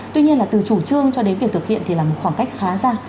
tuy nhiên là từ chủ trương cho đến việc thực hiện thì là một khoảng cách khá xa